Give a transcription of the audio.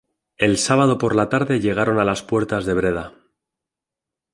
El sábado por la tarde llegaron a las puertas de Breda.